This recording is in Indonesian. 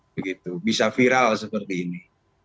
begitu bisa viral seperti ini